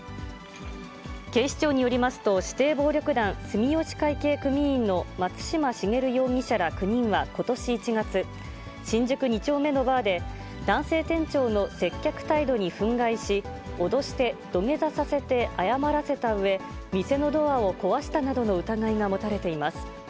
警視庁によりますと、指定暴力団、住吉会系組員の松嶋重容疑者ら９人はことし１月、新宿２丁目のバーで、男性店長の接客態度に憤慨し、脅して、土下座させて謝らせたうえ、店のドアを壊したなどの疑いが持たれています。